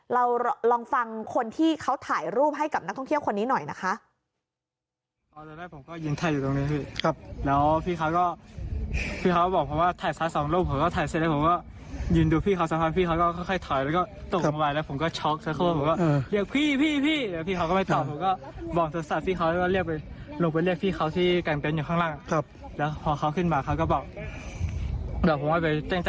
เราลองฟังคนที่เขาถ่ายรูปให้กับนักท่องเที่ยวคนนี้หน่อยนะคะ